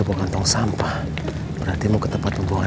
salah sebutan maaf sama dia